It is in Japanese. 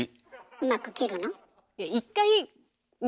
うまく切るの？